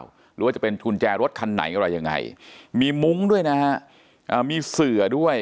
หรือว่าจะเป็นกุญแจรถคันไหนอะไรยังไงมีมุ้งด้วยนะฮะอ่ามีเสือด้วย